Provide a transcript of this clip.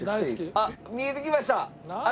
あっ見えてきました。